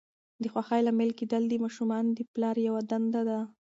د خوښۍ لامل کېدل د ماشومانو د پلار یوه دنده ده.